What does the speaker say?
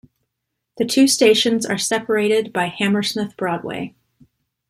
The two stations are separated by Hammersmith Broadway.